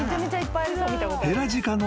［ヘラジカの］